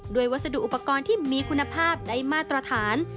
วัสดุอุปกรณ์ที่มีคุณภาพได้มาตรฐาน